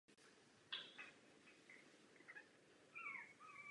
Do sériové výroby se nedostaly právě pro špatnou ovladatelnost při zatížení.